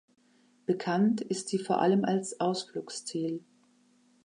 Bekannt ist sie vor allem als Ausflugsziel.